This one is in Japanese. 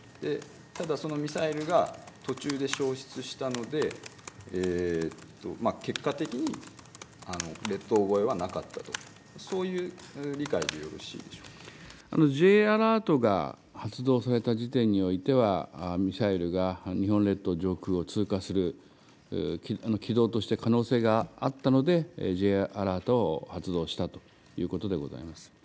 ただそのミサイルが途中で消失したので、結果的に列島越えはなかったと、そういう理解でよろしいでしょうＪアラートが発動された時点においては、ミサイルが日本列島上空を通過する、軌道として可能性があったので、Ｊアラートを発動したということでございます。